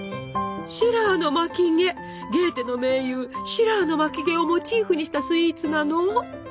ゲーテの盟友シラーの巻き毛をモチーフにしたスイーツなの。